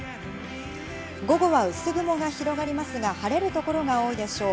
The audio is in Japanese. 午後は薄雲が広がりますが、晴れる所が多いでしょう。